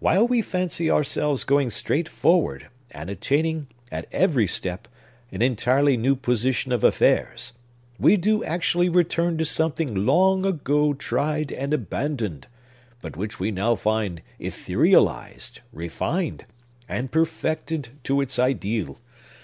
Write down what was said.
While we fancy ourselves going straight forward, and attaining, at every step, an entirely new position of affairs, we do actually return to something long ago tried and abandoned, but which we now find etherealized, refined, and perfected to its ideal.